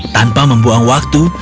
tanpa membuang waktu